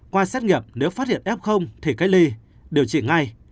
qua xét nghiệm nếu phát hiện f thì cách ly điều trị ngay